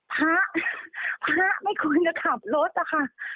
พระพระไม่ควรจะขับรถอะค่ะ